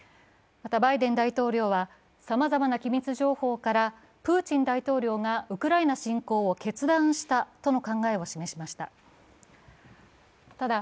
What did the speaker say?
またバイデン大統領はさまざまな機密情報からプーチン大統領がウクライナ侵攻を決断したとの考えを示しました。